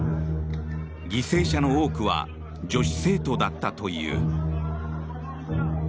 犠牲者の多くは女子生徒だったという。